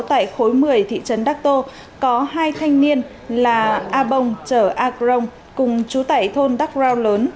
tại khối một mươi thị trấn đắc tô có hai thanh niên là a bông trở a crong cùng trú tại thôn đắc rau lớn